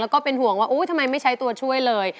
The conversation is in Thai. แล้วก็เป็นห่วงว่าทำไมไม่ใช้ตัวช่วยเลย